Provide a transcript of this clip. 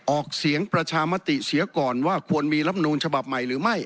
ออกเสียงประชามติเสียก่อนว่าควรมีรับนูลฉบับใหม่หรือไม่